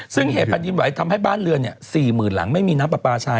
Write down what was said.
ซึ่งเหตุแผ่นดินไหวทำให้บ้านเรือน๔๐๐๐หลังไม่มีน้ำปลาปลาชาย